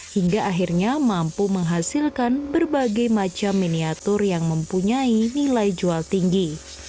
hingga akhirnya mampu menghasilkan berbagai macam miniatur yang mempunyai nilai jual tinggi